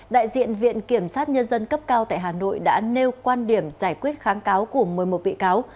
đại diện viện kiểm sát nhân dân cấp cao tại hà nội đã nêu quan điểm giải quyết kháng cáo của một mươi một bị cáo